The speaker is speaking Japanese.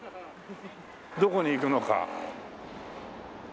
どこに行くのか。